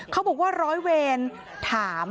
เขาบอกว่าร้อยเวรถาม